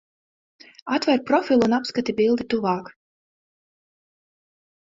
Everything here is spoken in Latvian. Atver profilu un apskati bildi tuvāk!